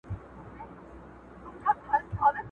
نو د دواړو خواوو تول به برابر وي،